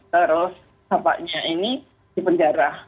terus bapaknya ini dipenjarah